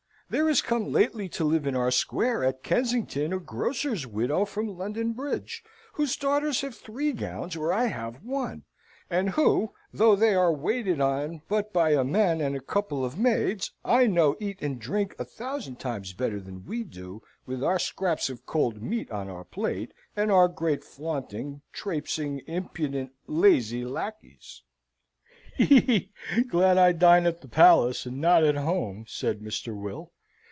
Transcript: There is come lately to live in our Square, at Kensington, a grocer's widow from London Bridge, whose daughters have three gowns where I have one; and who, though they are waited on but by a man and a couple of maids, I know eat and drink a thousand times better than we do with our scraps of cold meat on our plate, and our great flaunting, trapesing, impudent, lazy lacqueys!" "He! he! glad I dine at the palace, and not at home!" said Mr. Will.